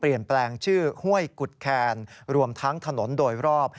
แปลงชื่อห้วยกุฎแคนรวมทั้งถนนโดยรอบ